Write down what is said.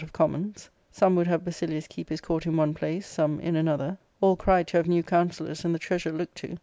of commons ; some would have Basilius keep his court in one place, some in another ; all cried to have new counsellors and the treasure looked to.